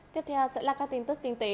tiếp theo sẽ là các tin tức kinh tế